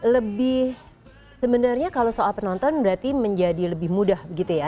lebih sebenarnya kalau soal penonton berarti menjadi lebih mudah begitu ya